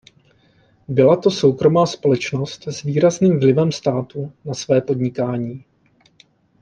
Byla to soukromá společnost s výrazným vlivem státu na své podnikání.